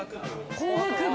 工学部。